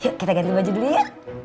yuk kita ganti baju dulu ya